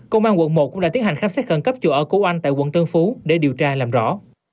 công an quận một cũng đã tiến hành khám xét khẩn cấp chỗ ở của oanh tại quận tân phú để điều tra làm rõ